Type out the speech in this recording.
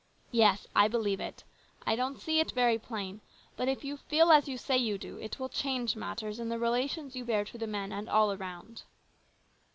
" Yes, I believe it. I don't see it very plain. But if you feel as you say you do, it will change mat UTS in the relations you bear to the men and all around."